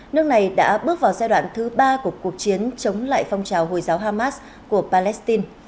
nước này đã bước vào giai đoạn thứ ba của cuộc chiến chống lại phong trào hồi giáo hamas của palestine